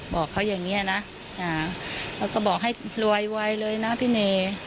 บอกเขาอย่างนี้นะแล้วก็บอกให้รวยไวเลยนะพี่เน